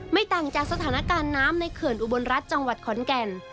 ต่างจากสถานการณ์น้ำในเขื่อนอุบลรัฐจังหวัดขอนแก่น